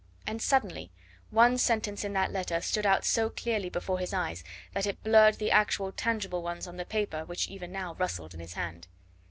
And suddenly one sentence in that letter stood out so clearly before his eyes that it blurred the actual, tangible ones on the paper which even now rustled in his hand.